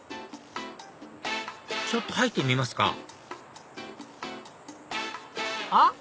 ちょっと入ってみますかあっ！